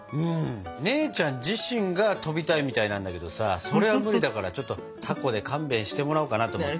姉ちゃん自身が飛びたいみたいなんだけどさそれは無理だからちょっとたこで勘弁してもらおうかなと思って。